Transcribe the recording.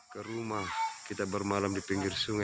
ke rumah kita bermalam di pinggir sungai